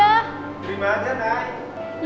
terima aja nay